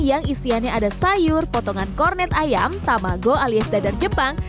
yang isiannya ada sayur potongan kornet ayam tamago alias dadar jepang